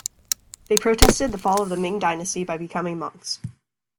They protested the fall of the Ming dynasty by becoming monks.